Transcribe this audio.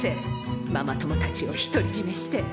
ママ友たちを独り占めして。